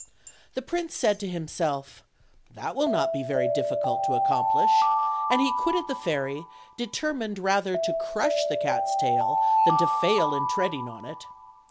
The prince said to himself: "That will not be very dif ficult to accomplish;" and he quitted the fairy, deter mined rather to crush the cat's tail than to fail in tread ing on it.